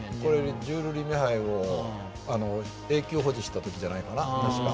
ジュール・リメ杯を永久保持した時じゃないかな。